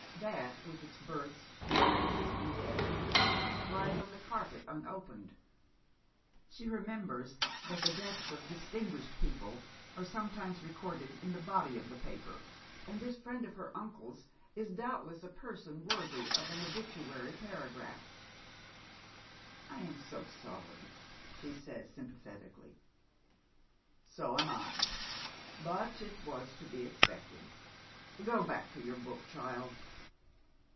That, with its births, marriages, and deaths, lies on the carpet unopened. She remembers that tho leaths of distinguished people are sometimes recorded in tlio oody of the paper, and this friend of her uncle's is doubtless a jerson worthy of an obituary paragi'aph. " I am so sorrj'," she says sympathetically. " So am L But it was to be expected. Go back to yoiu" book, child."